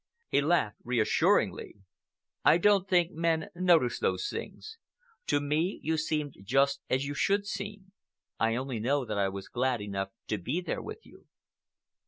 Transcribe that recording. He laughed reassuringly. "I don't think men notice those things. To me you seemed just as you should seem. I only know that I was glad enough to be there with you."